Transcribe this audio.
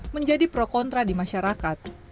menjadi pro kontra di masyarakat